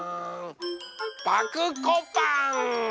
パクこパン！